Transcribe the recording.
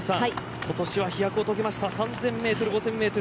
今年は飛躍を遂げました３０００メートル５０００メートル